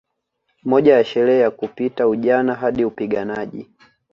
Moja ya sherehe ya kupita ujana hadi upiganaji